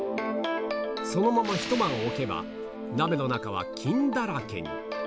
そのまま一晩置けば、鍋の中は菌だらけに。